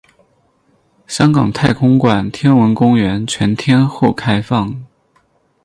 香港太空馆天文公园全天候开放。